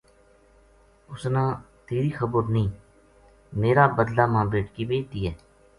اس نا تیری خیر نیہہ میر ا بدلہ ما بیٹکی بے دے